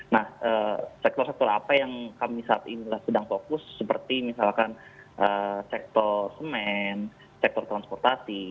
nah sektor sektor apa yang kami saat ini sedang fokus seperti misalkan sektor semen sektor transportasi